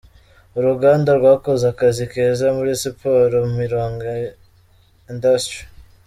Uruganda rwakoze akazi keza muri siporo: Mironko Industry.